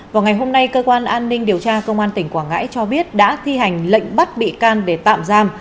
vào ngày hôm nay cơ quan an ninh điều tra công an tỉnh quảng ngãi cho biết đã thi hành lệnh bắt bị can để tạm giam